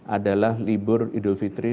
adalah libur idul fitri